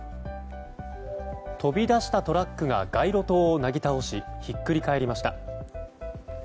飛び出したトラックが街路灯をなぎ倒しひっくり返りました。